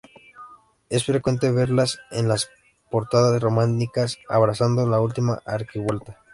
Es frecuente verlas en las portadas románicas, abrazando la última arquivolta.